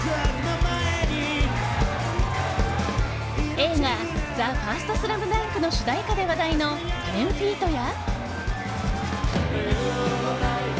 映画「ＴＨＥＦＩＲＳＴＳＬＡＭＤＵＮＫ」の主題歌で話題の１０‐ＦＥＥＴや。